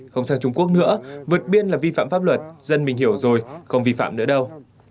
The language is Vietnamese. không sang trung quốc nữa vượt biên là vi phạm pháp luật dân mình hiểu rồi không vi phạm nữa đâu